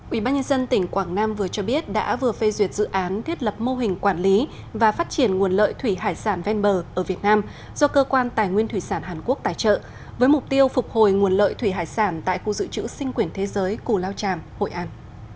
ubnd tỉnh quảng nam vừa cho biết đã vừa phê duyệt dự án thiết lập mô hình quản lý và phát triển nguồn lợi thủy hải sản ven bờ ở việt nam do cơ quan tài nguyên thủy sản hàn quốc tài trợ với mục tiêu phục hồi nguồn lợi thủy hải sản tại khu dự trữ sinh quyển thế giới cù lao tràm hội an